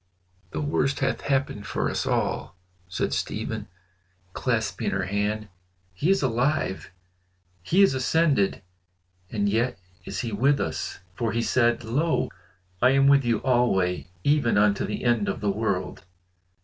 "The worst hath happened for us all," said Stephen, clasping her hand. "He is alive! He is ascended! and yet is he with us, for he said 'Lo, I am with you alway, even unto the end of the world!